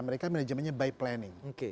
mereka manajemennya by planning